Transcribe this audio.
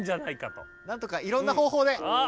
なんとかいろんなほうほうで！